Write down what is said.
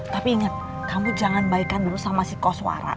tapi inget kamu jangan baikan dulu sama si koswara